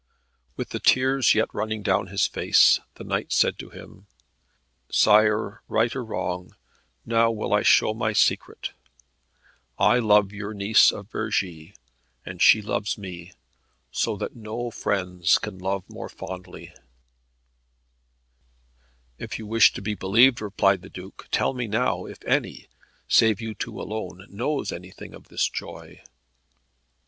With the tears yet running down his face the knight said to him, "Sire, right or wrong, now will I show my secret. I love your niece of Vergi, and she loves me, so that no friends can love more fondly." "If you wish to be believed," replied the Duke, "tell me now, if any, save you two alone, knows anything of this joy?"